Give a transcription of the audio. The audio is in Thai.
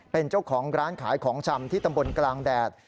เป็นเจ้าของร้านขายของชำที่ตำบลกลางแดด